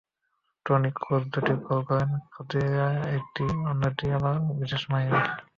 Tony Kroos দুটি goal করলেন, Khedira একটি, অন্য গোলটির আবার বিশেষ মহিমা।